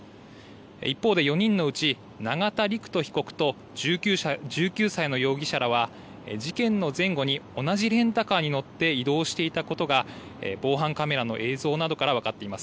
一方で４人のうち永田陸人被告と１９歳の容疑者らは事件の前後に同じレンタカーに乗って移動していたことが防犯カメラの映像などから分かっています。